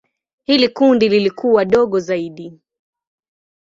Hili kundi lilikuwa dogo zaidi.